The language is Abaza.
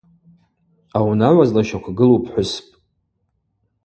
Аунагӏва злащаквгылу пхӏвыспӏ.